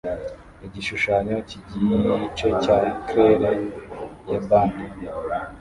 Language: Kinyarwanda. Igishushanyo cyigice cya claire ya bande